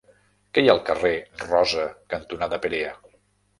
Què hi ha al carrer Rosa cantonada Perea?